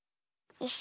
よし。